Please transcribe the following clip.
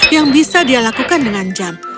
yang bisa dia lakukan dengan jam